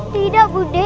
tidak bu de